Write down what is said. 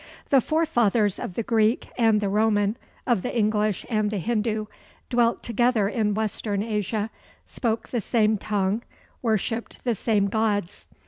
The forefathers of the Greek and the Roman, of the English and the Hindu, dwelt together in Western Asia, spoke the same tongue, worshipped the same gods.